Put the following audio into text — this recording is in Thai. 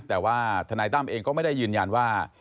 แต่ว่าทนายตั้มเองก็ไม่ได้ยืนยันว่า